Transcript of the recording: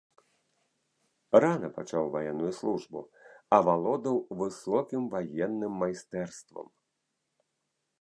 Рана пачаў ваенную службу, авалодаў высокім ваенным майстэрствам.